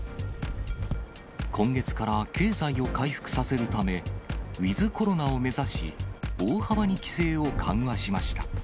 今月から経済を回復させるため、ウィズコロナを目指し、大幅に規制を緩和しました。